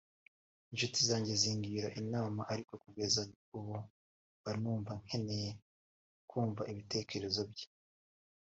n’inshuti zanjye zingira inama ariko kugeza ubu mba numva nkeneye kumva ibitekerezo bye”